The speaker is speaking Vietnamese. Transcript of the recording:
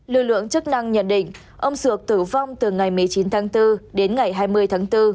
lực lượng chức năng nhận định ông sược tử vong từ ngày một mươi chín tháng bốn đến ngày hai mươi tháng bốn